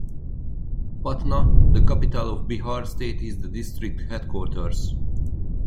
Patna, the capital of Bihar state is the district headquarters.